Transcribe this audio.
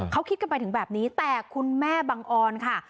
เขาคิดกันไปถึงแบบนี้แต่คุณแม่บังออนค่ะ